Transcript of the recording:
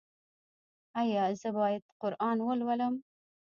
ایا زه باید قرآن ولولم؟